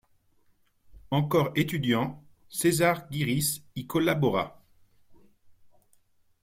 Encore étudiant, César Giris y collabora.